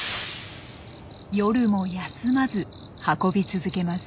夜も休まず運び続けます。